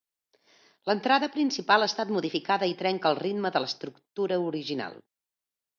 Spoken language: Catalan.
L'entrada principal ha estat modificada i trenca el ritme de l'estructura original.